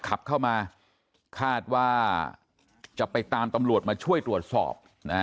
ขับเข้ามาคาดว่าจะไปตามตำรวจมาช่วยตรวจสอบ